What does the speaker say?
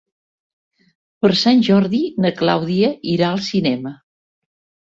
Per Sant Jordi na Clàudia irà al cinema.